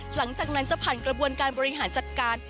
หลังจากนั้นจะผ่านกระบวนการบริหารจัดการ